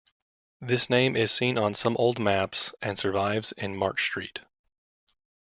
This name is seen on some old maps, and survives in March Street.